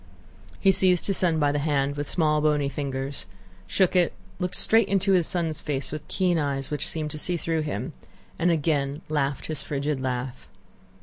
He seized his son by the hand with small bony fingers, shook it, looked straight into his son's face with keen eyes which seemed to see through him, and again laughed his frigid laugh.